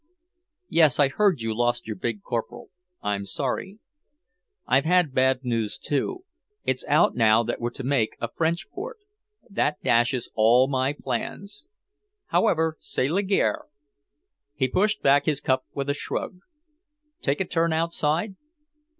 "Yes, I heard you lost your big corporal. I'm sorry. I've had bad news, too. It's out now that we're to make a French port. That dashes all my plans. However, c'est la guerre!" He pushed back his cup with a shrug. "Take a turn outside?"